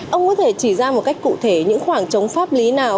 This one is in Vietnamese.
ông có thể chỉ ra một cách cụ thể những khoảng trống pháp lý nào